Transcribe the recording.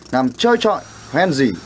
nằm chơi trọi hoen dỉ